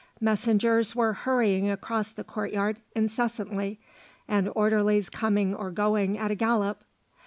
Messengers were hurrying across the courtyard incessantly, and orderlies coming or going at a gallop.